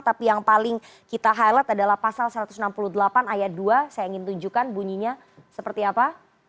tapi yang paling kita highlight adalah pasal satu ratus enam puluh delapan ayat dua saya ingin tunjukkan bunyinya seperti apa